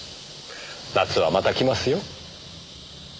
夏はまた来ますよ。